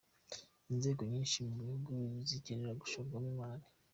Inzego nyinshi mu gihugu zikeneye gushorwamo imari.